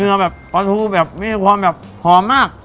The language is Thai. เนื้อปลาถูมีความหอมมาก